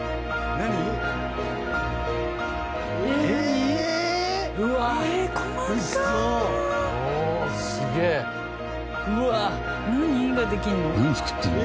何作ってるの？